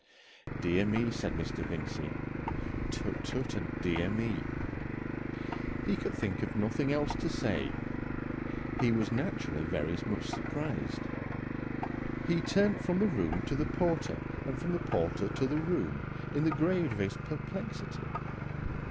'" "Dear me," said Mr. Vincey. "Tut, tut," and "Dear me!" He could think of nothing else to say. He was naturally very much surprised. He turned from the room to the porter and from the porter to the room in the gravest perplexity.